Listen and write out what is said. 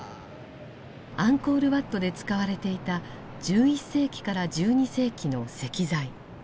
アンコール・ワットで使われていた１１世紀から１２世紀の石材。